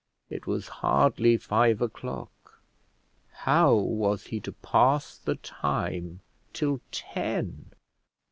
It was hardly five o'clock; how was he to pass the time till ten?